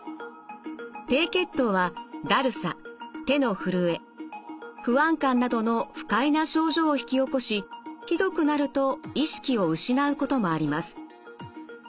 低血糖はだるさ手のふるえ不安感などの不快な症状を引き起こしひどくなると意識を失うこともあります。